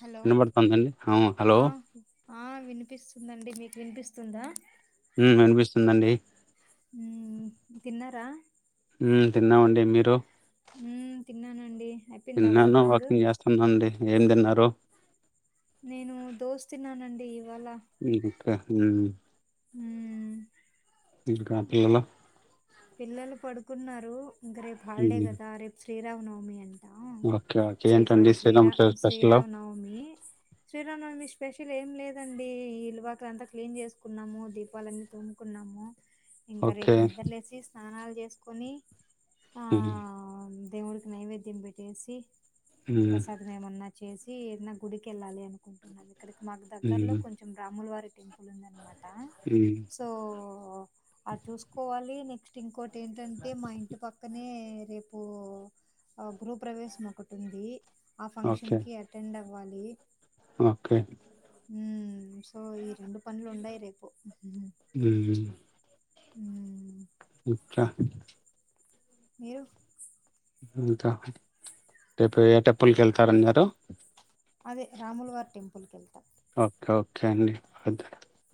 Hello వినబడుతాందా అండి ఆ హలో. ఆ వినిపిస్తుందండి. మీకు వినిపిస్తుందా? ఉ వినిపిస్తుందండి. హ్ తిన్నారా. హ్ తిన్నామండి. మీరు? హ్ తిన్నానండి. తిన్నాను వాకింగ్ చేస్తున్నాండి. ఏం తిన్నారు. నేను దోశ తిన్నానండి. ఇవాల ఇంకా ఉ ఇంకా పిల్లలు పిల్లలు పడుకున్నారు. రేపు హాలిడే హ్మ్. కదా రేపు శ్రీరామ్ నవమి అని ఆ ఓకే. ఓకే. చి సారీ ఏంటండి శ్రీరా శ్రీరామ చ స్పెషలు? శ్రీరామ నవమి శ్రీరామ నవమి స్పెషల్ ఏం లేదండి ఈ ఇలువాకల అంతా క్లీన్ చేసుకున్నాము దీపాలన్నీ తుమ్ముకున్నాము ఇంకా ఓకే. రేపు నిద్ర లే స్నానాలు చేసుకొని ఆ ఉ హ దేవుడికి నైవేద్యం పెట్టేసి హ్మ్. ప్రసాదం ఏమన్నా చేసి ఈ నాకు గుడికి వెళ్ళాలి ఇక్కడికి మాకు దగ్గరలో హ్మ్. కొంచెం రాములు వారికి టెంపుల్ ఉంది అనమాట ఆ హ్మ్. సో అది చూసుకోవాల ఈన్నే పిన్ కోడ్ ఏంటంటే మా ఇంటి పక్కనే రేపు ఆ గృహ ప్ర్రవేశం ఒకటి ఉంది ఆ ఫంక్షన్ ఓకే. కి అటెండ్ అవ వాలి ఓకే ఉ సో ఇ ఇంకా పనులు ఉండయి రేపు ఉ అచ్చా మీరు అంత రేపు ఏటప్పులకి వెళ్తారన్నారు అదే రాములు వారి టెంపుల్ క వెళ్తాం ఓకే ఓకే అండి అద్ద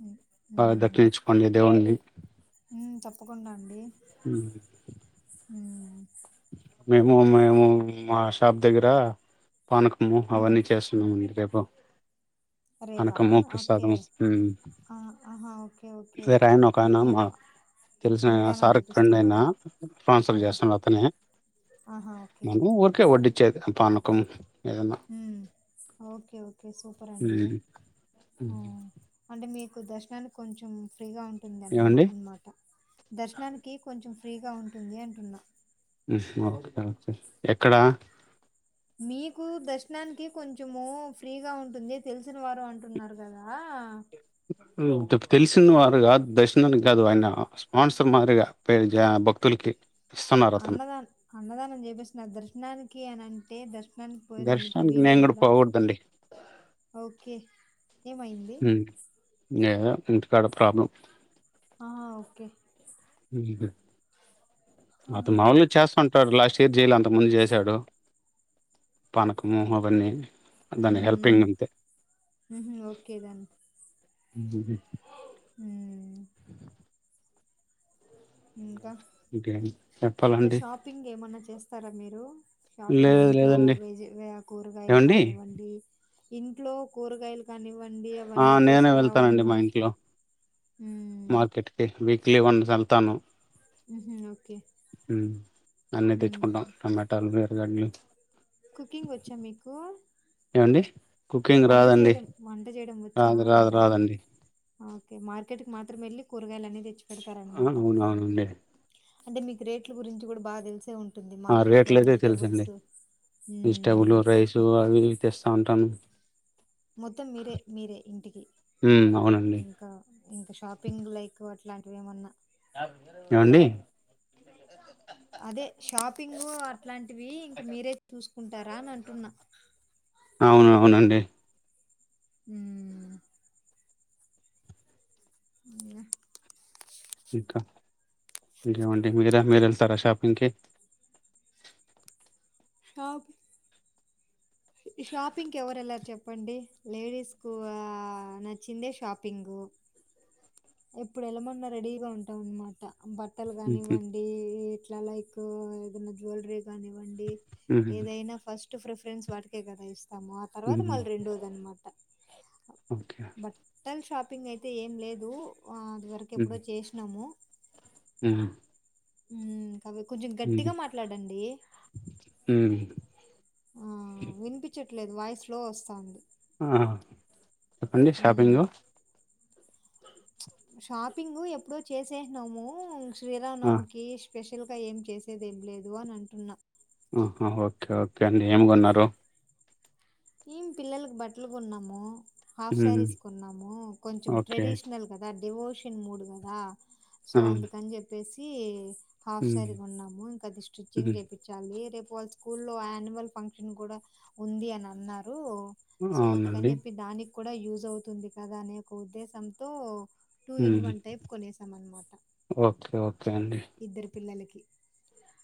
మ్మ్. బాగా మ్మ్. దర్శించుకోండి దేవున్ని తప్పకుండా అండి హ్మ్ హ్మ్ మేము మేము ఈ మా షాప్ దగ్గర పానుకము ఉమ్ అవన్నీ చేస్తున్నాము రేపు ఓ రేపా అనకమ్ము ఓకే ప్రసాదం ఆ ఆహా ఓకే ఓకే సరే ఆయన ఒక అంటే ఆయన మీరు మా తెలిసిన ఆయన అన్నదానం సార్ ఫ్రెండ్ అయినా చేపిస్తున్నారు ట్రాన్స్ఫర్ ఆహా చేస్తుడు అతనే ఆహా ఒడ్డించది అప్ప అనకు హ్మ్ ఓకే ఓకే సూపర్ అండి ఉమ్. ఉమ్. హ్మ్ అంటే మీ దర్శనాలు కొంచెం ఫ్రీగా ఉంట ఉంటుందిమా ఏమండి అన్నమాట దర్శనానికి కొంచెం ఫ్రీగా ఉంటుంది అంటున్నా ఉమ్ ఓకేే ఎక్కడ మీకు దర్శనానికి కొంచము ఫ్రీగా ఉంటుంది తెలిసిన వారు అంటున్నారు కదా తెలిసిన వారు కాదు దర్శనానికి కాదు ఆయన స్పాన్సర్ మారిగా పేరు జా భక్తులకి ఇస్తున్నారు అతను అన్నదానం అన్నదానం చేపిసున్నారు దర్శనానికి అని అ టే దర్శ నానికి పోయేదానికి దర్శనానికి వీలు నేను కూడా ఉండదా పోకూడదండి ఓకే ఏమైంది ఉమ్. ఏదో ఇంటికాడ ప్రాబ్లం ఆ ఓకే ఇకా ఆ, అత మామూలుగా చేస్తూంటారు లాస్ట్ తీర్చేయాల అంతకుముందు చేశాడు పానకము అవన్నీ దాని ఉమ్ ఉమ్ హెల్పింగ్ అంతే ఉహుమ్ ఓకే దేన్ [unintelligible] హామ్ ఉమ్ ఇంకేం చెప్పాలండి షాపింగ్ ఏమన్నా చేస్తారా మీరు షాపింగ్ లేదు ఇంట్లో లేదండి వెజ్ కూరగాయలు ఏవండి కానివ్వండి ఇంట్లో కూరగాయలు కానీ వ్వండి ఆ! అవన్నీ తీసుకురావడము ఉమ్ మార్కెట్ తేహ్ మిల్ విక్లివన్స్ వెళ్లాను ఉహు ఓకే ఉమ్ అన్నీ ఉమ్ తెచ్చుకుంటాం టమాటాలు గడ్లు కుకింగ్ వచ్చా మీకు అండి వంట చేయడం వంట చేయడం వచ్చా రాదు రాదు రాదా రాదండి. ఓకే మార్కెట్కి మాత్రం వెళ్ళి కూరగాయలు అనేవి తెచ్చి ఆ పెడతారనమాట అవును అవునులే అంటే మీకు రేట్ల గురించి కూడా బాగా తెలిసే ఉంటు ఆ రేట్లు అయితే తెలుసు అండి వెజిటబుల్ మ్మ్. రైస్ ఓకే అవి తెస్తా ఉంటాను మొత్తం మీరే మీరే ఇంటికి హ్మ్. అవునండి. ఇంకా ఇంకా షాపింగ్ లైక్ అట్లాంటివి ఏమన్నా ఏమండి అదే షాపింగ్ అట్లాంటివి ఇంక మీరే చూసుకుంటారా అని అంటున్నా అవునవునండి మ్మ్ ఇంగా ఇంకా ఇంకేమండి మీర మీరు వెళ్తారా షాపింగ్కి హాబ్ షాపింగ్ కి ఎవరెల్లరు చెప్ చెప్పండి లేడీస్ కు నచ్చిందే షాపింగ్ ఎప్పుడు ఎలమన్నా రెడీగా ఉంటాం అనమాట బట్టలు హుహు. కానివ్వండి ఇట్లా లైక్ ఏదైనా జ్యువెలరీ కానివ్వండి హుహు. ఏదైనా ఫస్ట్ ట్ ప్రిఫరెన్స్ ఎ కద ఇస్ తాము ఆ తర్వాత హుహు. మళ్ళీ రెండోద అనమాట ఓకే. బట్టల షాప్ ప్పింగ్ అయితే ఏం లేదు ఆ అది వరకు ఎప్పుడో చేసినాము మ్మ్ మ్మ్ కాబ కొంచెం గట్టిగా మాట్లాడండి హ్మ్. ఆ వినిపించట్టు నీది వాయిస్ స్లో వస్తాంది ఆ చెప్పండి షాపింగ్ షాపింగ్ ఎప్పుడో చేసేసినాము శ్రీ రామ ఆ! నవమి కి స్పెషల్గా ఏం చేసేది ఏంలేదు అని అంటున్నా మ్మ్ హ్మ్ ఓకే ఓకే అండి ఏమి కొన్నారు ఏం పిల్లలకు బట్టలు కొన్నాము హాఫ్ హ్మ్. శారీస్ కొన్నాము కొంచెం ఓకే. ట్రెడిషనల్ కదా డివోర్స్ షన్ మూడు కదా సో ఆ! అందుకని చెప్పేసి ఇ హాఫ్ హ్మ్. శారీ కొన్నాము ఇంకా అది స్టిచ్చింగ్ హ్మ్. చేపించాలి రేప్ వాళ్ళ స్కూల్లో యాన్యువల్ ఫంక్షన్ కూడా ఉంది అన్ అన్నారు సో అందుకని అవునండి. చెప్పి దానిక్ కూడా యూజ్ అవుతుంది కదా అనే ఒక ఉద్దేశంతో టూ ఇన్ హ్మ్. వన్ టైప్ కొనేసాం అనమాట ఓకే. ఇద్దరు పిల్లలకి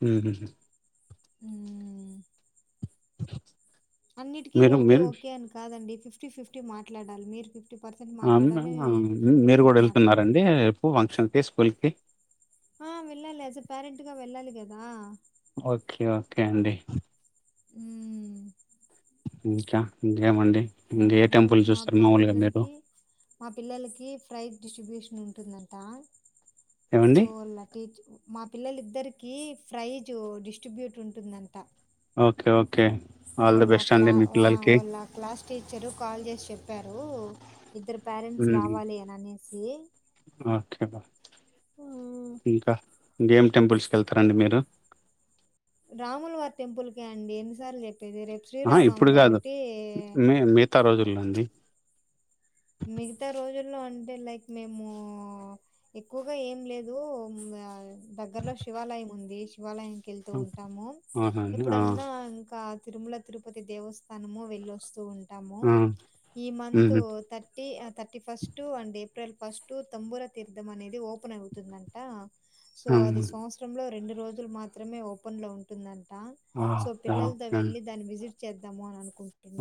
మ్మ్ హ్ హ్మ్ హ్మ్ అన్నిటికీ మీరు ఓకే మీరు ఓకే అని కాదండి ఫిఫ్టీ ఫిఫ్టీ మాట్లాడాలి మీరు ఫిప్ ఆ మే మీరు కూడా మాట్లాడాలి వెళ్తున్నారండి రేపు ఫంక్షన్కి స్కూల్ కి ఆ వెళ్ళాలి ఆజే పేరెంట్ గా వెళ్ళాలి గదా ఓకే ఓకే అండి హ్మ్ ఇంకా ఇంకేమండి ఇంక ఏ ఇంగేం టెంపుల్ మా చూస్తారు మా మామూలుగా మీరు? పిల్లలకి మా పిల్లలకి ప్రైజ్ డిస్బ్యూషన్ ఉంటుందంటా ఏవండి? సోల టీచ్ మా పిల్లలిద్దరికి ప్రైజ్ డిస్ట్రిబ్యూట్ ఉంటుందంటా ఓకే ఓకే ఆల్ ది ఓలా బెస్ట్ క్లా అండి మీ ఆ పిల్లలకి. ఓలా క్లాస్ టీచరు కాల్ చేసి చెప్పారు ఇద్దరు పేరెంట్స్ రావాలి అని అనేస్ సే ఆ ఓకే బా ఇంకా గేమ్ టెంపుల్స్ కెల్తారండి మీరు రాముల వారి టెంపుల్కే అండి ఎన్నిసార్లు జెప్ పేది రేపు అహా! శ్రీరామనవమి ఇప్పుడు గాదు. కాబట్టి మీ మిగతా ఆ రోజుల్లో అండి మిగతా రోజుల్లో అంటే లైక్ మేము ఎక్కువగా ఏం లేదు మ్ గా దగ్గరలో శివాలయం ఉంది శివాలయం కెళ్తూ ఉంటాము ఆహా అండి ఆ ఎప్పుడన్నా ఇంకా తిరుమల తిరుపతి దేవస్థానము వెళ్ళొస్తూ ఉం టాము ఆ ఈ మంత్ మ్మ్ తట్ ఆ థర్టీ ఫస్ట్ అండి ఏప్రిల్ ఫస్ట్ తంబూర తీర్థం అనేది ఓపెన్ అవుతుందంటా సో హ్మ్ అది సంవత్సరంలో రెండు రోజులు మాత్రమే ఓపెన్ లో ఉంటుందం టా ఆ సో ఆ పిల్లలతో ఆ! వెళ్ళి దాని విజి చేద్దాము అన్ అను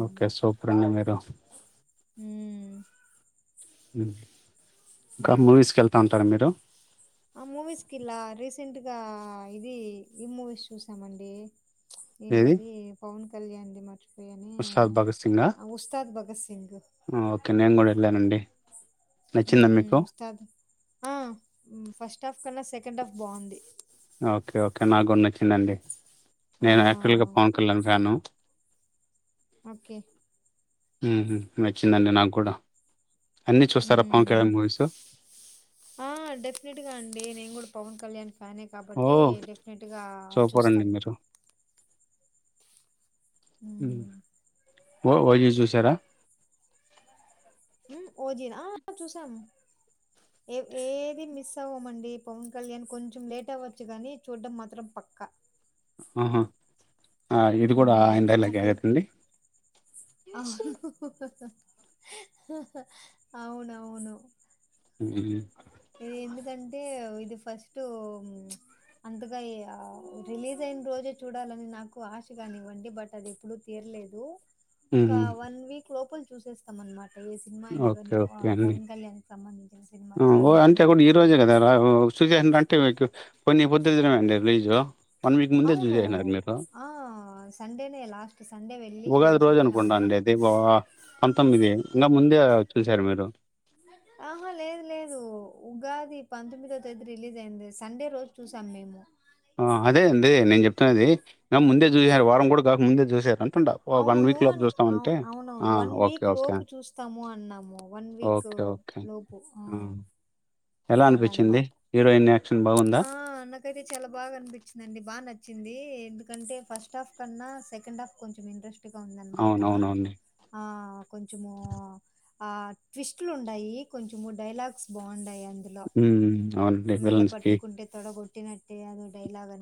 ఓకే సూపర్ అండి మీరు ఉ ఉ ఇంకా మువీస్కెళ్తా ఉంటారా మీరు ఆ మూవీస్ కి ఇలా రీసెంట్ గా ఇది ఈ మూవీస్ చూసామండి ఏది ఏంటది పవన్ కళ్యాణ్ ది మచి అది ఏమీ ఉస్తాద్ భగత్ సింగా ఆ ఉస్తాద్ భగత్ సింగ్ ఆ ఓకే నేను కూడ ఎల్లానండి నచ్చిందా ఉమ్ మీకు ఉస్తాద్ ఆ ఫస్ట్ హఫ్ కన్నా సె ఆ ఓకే ఓకే నాకూడ నచ్చిందండి ఆ నేను యాక్చువల్గా పవన్ కళ్యాణ్ ఫ్యాను ఓకే ఉ హు నచ్చిందండి నాకూడా అన్ని చూసారా పవన్ కళ్యాణ్ మ్మ్ మూవీస్ ఆ డెఫినెట్ అండి నేను కూడా పవన్ కళ్యాణ్ ఫ్యానే ఓ కాబట్టి డెఫినెట్గా సూపర్ అండి చూస్తాను మీరు మ్మ్ ఊ ఓ ఓయి చూసరా ఓజిన చూసాము ఏ ఏది మిస్ అవ్వమండి పవన్ కళ్యాణ్ కొంచెం లేట్ అవ్వచ్చు కానీ చూడ్డం మాత్రం పక్కా ఆహా అ ఇది కూడా మ్మ్ ఐందళ్లకిగదండి ఆవును అవునవును మ్మ్. ఇది ఎంది కంటే ఇది ఫస్ట్ అంతగా రిలీజ్ అయిన రోజే చూడాలని నాకు ఆశ కానివ్వండి బట్ అది ఎప్పుడు తీరలేదు ఒక మ్మ్. వన్ వీక్ లోపల చూసేస్తామన్నమాట్ ఏ సినిమా అయినా కానీ ఆ పవన్ కళ్యాణ్ తమన్ ఓ అంటే కూడ ఈ రోజే కదా రా చూశా అంటే కొన్ని ఈ పొద్దు చూడండి రీజో అవును ఆ సండేనే లాస్ట్ సండే వెళ్ళి ఉగాది చూసేసి రోజు వచ్చిన అనుకుంటా అనమాట అన్న ముందే చూసారు మీరు ఆ ఆ అంటుండా. ఓ అవును వీక్ లోపు చూస్తామంటే అవునవును ఆ! One okay. Week okay. లోపు చూస్తాము అన్నాము వన్ వీక్ ఓకే. ఓకే. లోపు ఊ ఆ! ఎలా అనిపించింది హీరోయిన్ న్ని ఆ నాకైతే చాలా బాగా అనిపించిందండి బాగా నచ్చి చ్చింది ఎందుకంటే ఫస్ట్ హాఫ్ కన్నా సెకండ్ హాఫ్ కొంచెం ఇంట్రెస్ట్ గా ఉందనమాట అవునవునండి. ఆ కొంచము ఆ ట్విస్ట్ లు ఉన్నాయి కొంచెము డైలాగ్స్ బాగుండాయి అందులో ఉ అవునండి విలన్స్ కి తోడ గో గోట్టి నట్టే అదోటి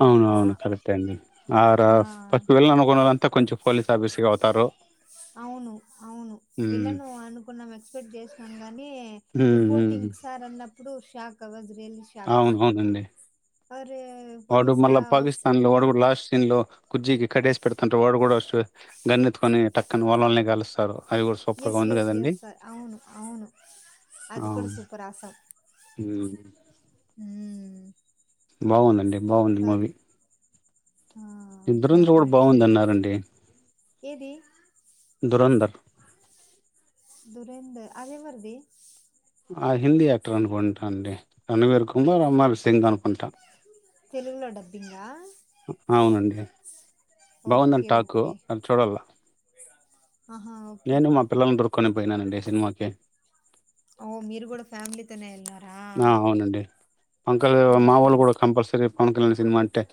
అవున అవును కరెక్ట్ ఏ అండి ఆ రాస్ విలన్ అనుకున్న వాళ్ళంతా కొంచెం పోలీస్ ఆఫీస్ అవుతారు అవును అవును హ్మ్. విలన్ అనుకున్నాం ఎక్స్పెక్ట్ చేసి తం గని ని హ్మ్. హ్మ్. రిపోర్టింగ్ సార్ అన్న ప్పుడు షాక్ అవదు అవును అవును అండి ఫర్ వాడు మల్ల పాకిస్తన్ లో వాడు లాస్ట్ సీన్ లో కు్జ్జికి కట్టేసి పెడుతుంటే వాడు కూడా గన్నెత్తుకొని టక్కని వాలని కలుస్తారు ఎస్ ఎస్ ఎస్ సార్ అవును అవును ఆ! అది కూడా సూపర్ అసం హ్మ్. హు బాగుందండి బాగుంది మూవీ ఆ ఈ అది దురందర్ నాకు కూడా బాగుంది నచ్చింది అన్నరండి ఏది దురంధర్ దురేందర్ అదే వరిది హిందీ యాక్టర్ అనుకుంటా అండి రణవీర్ కుమార్ అమ్మర్ సింగ్ అనుకుంటా తెలుగులో డబ్బింగ్ంగా అ బాగుందని ఓకే ఠాకు ఓకే అది చూడల్ల ఆహా ఓకే కొని పోయినా అంే సినిమాకిే ఓ మీరు కూడా ఫ్యామిలీతోనే వెళ్ళార ఆ అవునండి అంకల్ మా ఓకే వాళ్లు గూడా కంపల్సరి పవన్ కళ్యాణ్ సినిమా అంటే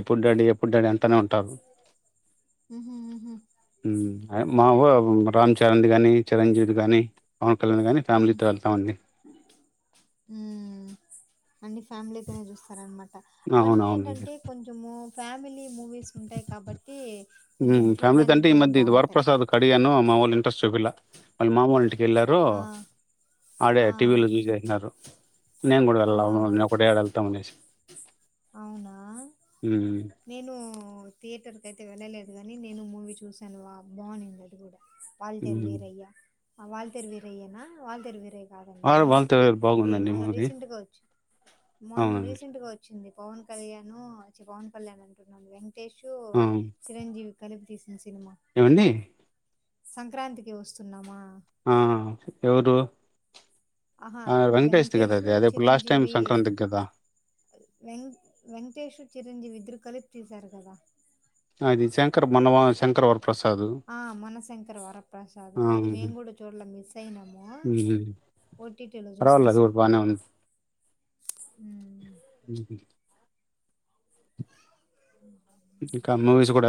ఎప్పుడు డాడీ ఎప్పుడు డాడీ అంటనే ఉంటారు ఉహు ఉహు అయ్ మావొ రామ్ చరణ్ ది గానీ చిరంజీవ్ ది గానీ పవన్ కళ్యాణ్ గానీ ఫ్యామిలీతో ఎళ్తామండి ఊ అన్ని ఫ్యామిలీతోనే జూస్తారనమాట అవన్నీ అవునవునండి ఏంటంటే కొంచము ఫ్యామలీ మూవీస్ ఉంటాయి కాబట్టి కొంచెం హ్మ్ ఫ్యామిలీతో చూడ్డానికి అంటే ఈ గూడా బాగుంటాయి జూపిలా వాళ్ళ మామోళింటికి ఎల్లరో ఆడే ఆ! టీవీ లో జూసేసినరో నే నేన్ గూడా వెల్ ఆ! ల నే ఒకటే ఏడ ఎళ్తా అనేసి అవునా హ్మ్. నేను థియేటర్ క అయితే వెళ్ళలేదుగాని నేను మూవీ చూసాను వా బాగునింది అది గూడా వాల్ తెేరు హ్మ్. వీరయ్యా వాళ్తర్ వీరయ్యనా వాళ్ళతర్ వీ రై కాదండి ఆడ వాళ్ళతో ఇది బాగుందండి మొన్న మూవీ రీసెంట్ గా ఒచ్చి మొన్న అవునండి. రీసెంట్ గా ఒచ్చింది పవన్ కల్యాణ్ చి పవన్ కళ్యాణంటన్నాను నేను టేషు ఆ! చిరంజీవి కలిపి ఇ సినిమా ఏవండీ? సంక్రాంతికి ఒస్తున్నామా ఆ ఎవరు ఆహా ఆ! వెంకటేష్‌ది గదా! అది. వెంకటేేశూ అదెప్పుడు లాస్ట్ టైమ్ చిరంజీవి సంక్రాంతికి గదా! వెం వెంకటేేష్ చిరంజీవిద్దరు కలిపి తీశారు గదా అది శంకర్ మన్నవా శంకర్ వర్ ఆ మనశంకర్ వరప్రసాద్ ఆ! అది మేం హ్మ్. గూడా జూల మిస్ అయినాము హ్మ్. ఓటీటీలో పర్వాలేదు అది గూడా జూసేస్నం బానే ఉంది. ఊ ఉహు ఉ ఇంకా మూవీస్ గూడా